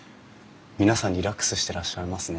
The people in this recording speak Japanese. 皆さんリラックスしてらっしゃいますね。